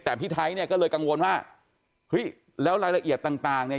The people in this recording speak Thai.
แต่พี่ไทยเนี่ยก็เลยกังวลว่าเฮ้ยแล้วรายละเอียดต่างต่างเนี่ย